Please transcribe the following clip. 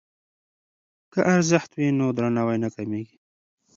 که ارزښت وي نو درناوی نه کمېږي.